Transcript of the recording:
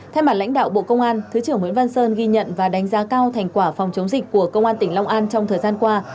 thay mặt lãnh đạo bộ công an thứ trưởng nguyễn văn sơn ghi nhận và đánh giá cao thành quả phòng chống dịch của công an tỉnh long an trong thời gian qua